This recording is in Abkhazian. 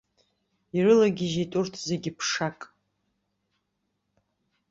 Ирылагьежьит урҭ зегьы ԥшак.